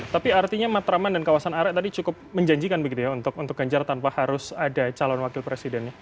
tapi artinya matraman dan kawasan arek tadi cukup menjanjikan begitu ya untuk ganjar tanpa harus ada calon wakil presidennya